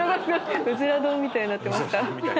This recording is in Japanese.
うずら丼みたいになってました。